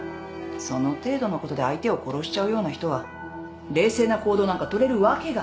その程度のことで相手を殺しちゃうような人は冷静な行動なんか取れるわけがない。